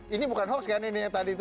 ini bukan hoax kan ini tadi itu